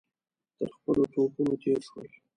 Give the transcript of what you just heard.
تر خپلو توپونو تېر شول.